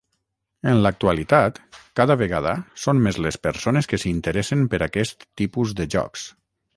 En l'actualitat, cada vegada són més les persones que s'interessen per aquest tipus de jocs.